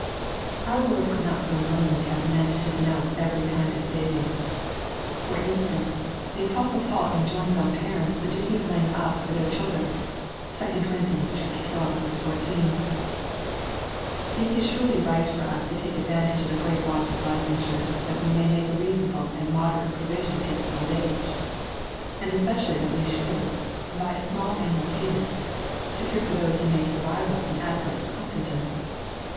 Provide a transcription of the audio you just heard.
Our Lord could not for a moment have faemU to denov/aee every kind of aamng. For instance, the Apostle Paul enjoins on parents the duty of laying up for their chUdren (2 Cor. xii. 14). It is surely right for us to take advantage of the great laws of life insurance that we may make a reasonable and moderate provision against old age ; and especially that we should, by a snudl annual payment, secure for those who may survive us an adequate com petence.